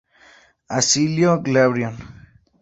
Acilio Glabrión.